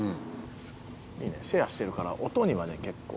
シェアしてるから音にはね結構。